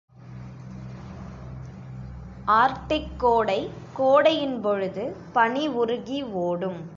Arctic கோடை கோடையின்பொழுது பனி உருகி ஓடும்.